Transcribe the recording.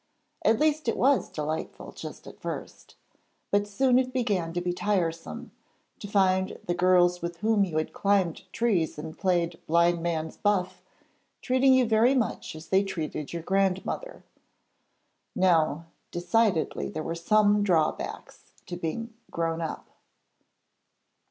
At least it was delightful just at first, but soon it began to be tiresome to find the girls with whom you had climbed trees and played blind man's buff treating you very much as they treated your grandmother. No; decidedly there were some drawbacks to being 'grown up'!